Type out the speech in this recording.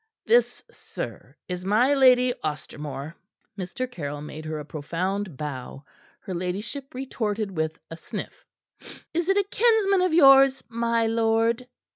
This, sir, is my Lady Ostermore." Mr. Caryll made her a profound bow. Her ladyship retorted with a sniff. "Is it a kinsman of yours, my lord?"